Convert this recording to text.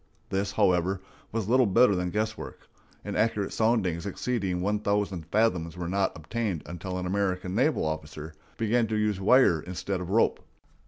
This, however, was little better than guesswork; and accurate soundings exceeding one thousand fathoms were not obtained until an American naval officer began to use wire instead of rope.